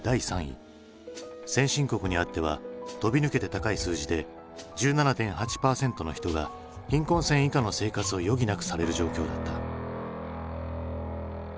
先進国にあっては飛び抜けて高い数字で１７．８％の人が貧困線以下の生活を余儀なくされる状況だった。